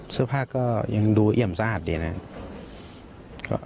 เสื้อผ้าก็ยังดูเอี่ยมสะอาดนี่นะครับ